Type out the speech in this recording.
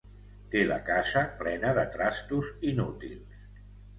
Té la casa plena de trastos inútils.